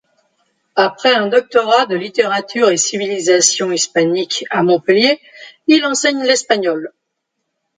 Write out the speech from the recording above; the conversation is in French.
Après un doctorat de littérature et civilisation hispaniques à Montpellier, il enseigne l’espagnol.